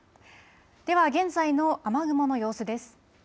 では現在の雨雲の様子です。